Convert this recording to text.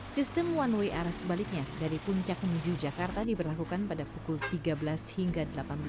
sistem one way arah sebaliknya dari puncak menuju jakarta diberlakukan pada pukul tiga belas hingga delapan belas